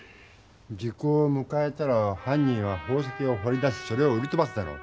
時効をむかえたらはん人は宝石をほり出しそれを売りとばすだろう。